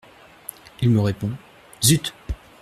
Il me répond : Zut !…